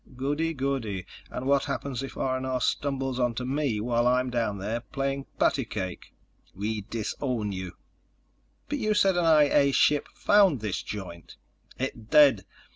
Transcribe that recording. "Goody, goody. And what happens if R&R stumbles onto me while I'm down there playing patty cake?" "We disown you." "But you said an I A ship found this joint." "It did.